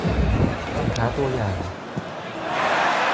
สินค้าตัวอย่าง